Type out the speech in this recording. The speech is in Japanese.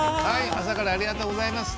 朝からありがとうございました。